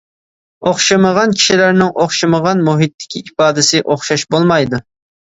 ئوخشىمىغان كىشىلەرنىڭ ئوخشىمىغان مۇھىتتىكى ئىپادىسى ئوخشاش بولمايدۇ.